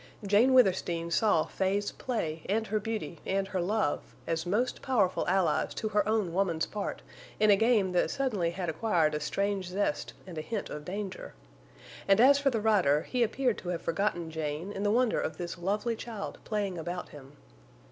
Jane Withersteen saw Fay's play and her beauty and her love as most powerful allies to her own woman's part in a game that suddenly had acquired a strange zest and a hint of danger. And as for the rider, he appeared to have forgotten Jane in the wonder of this lovely child playing about him.